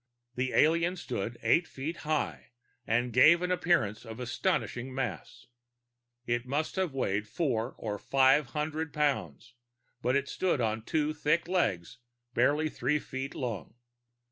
The alien stood eight feet high, and gave an appearance of astonishing mass. It must have weighed four or five hundred pounds, but it stood on two thick legs barely three feet long.